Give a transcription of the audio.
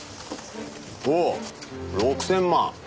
おお６０００万。